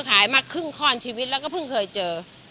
ขายมาครึ่งข้อนชีวิตแล้วก็เพิ่งเคยเจอ